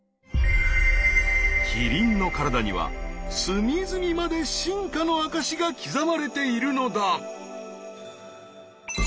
キリンの体には隅々まで進化の証しが刻まれているのだ。